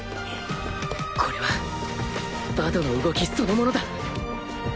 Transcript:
これはバドの動きそのものだ！